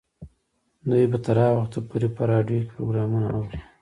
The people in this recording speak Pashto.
دوی به تر هغه وخته پورې په راډیو کې پروګرامونه اوري.